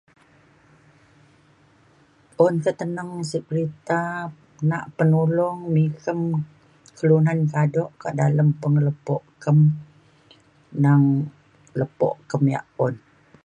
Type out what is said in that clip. Un keteneng sik perinta nak penulong me ikem kelunan kado kak dalem pengelepo kem neng lepo kem yak un.